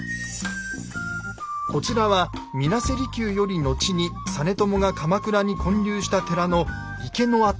こちらは水無瀬離宮より後に実朝が鎌倉に建立した寺の池の跡。